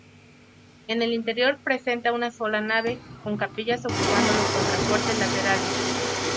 El interior presenta una sola nave, con capillas ocupando los contrafuertes laterales.